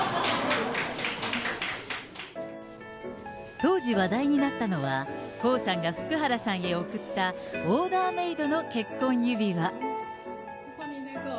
当時、話題になったのは、江さんが福原さんへ贈ったオーダーメードの結婚指輪。